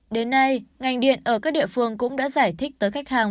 đến nay ngành điện ở các địa phương cũng đã giải thích tới khách hàng